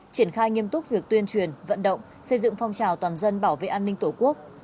triển khai nghiêm túc việc tuyên truyền vận động xây dựng phong trào toàn dân bảo vệ an ninh tổ quốc